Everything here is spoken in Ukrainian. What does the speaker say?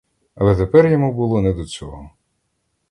Але тепер йому було не до цього.